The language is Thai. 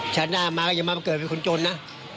ฉาน่ามาก็จะไม่มาเป็นคนจนนะ